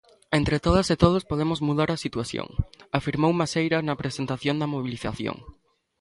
Entre todas e todos podemos mudar a situación, afirmou Maceira na presentación da mobilización.